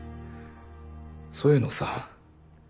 そういうのさ